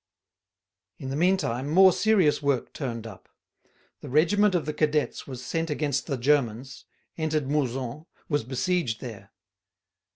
In the meantime, more serious work turned up. The regiment of the cadets was sent against the Germans, entered Mouzon, was besieged there.